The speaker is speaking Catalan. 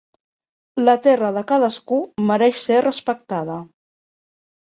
La terra de cadascú mereix ser respectada.